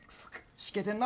しけてんな。